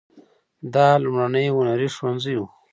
دا لومړنی هنري ښوونځی و.